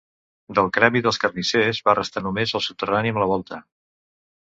Del Gremi dels Carnissers va restar només el soterrani amb la volta.